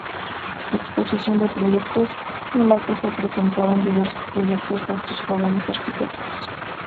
Exposición de proyectos", en la que se presentaron diversos proyectos de estos jóvenes arquitectos.